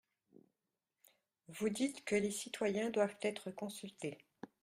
Vous dites que les citoyens doivent être consultés.